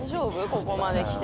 ここまで来て。